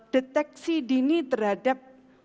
deteksi dini terhadap